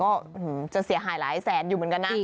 ก็จะเสียหายหลายแสนอยู่เหมือนกันนะ